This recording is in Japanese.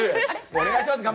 お願いします。